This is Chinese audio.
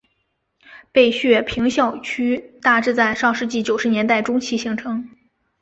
北雪平校区大致在上世纪九十年代中期形成。